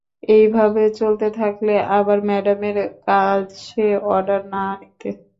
এই ভাবে চলতে থাকলে আবার ম্যাডামের কাছে অর্ডার না নিতে হয়!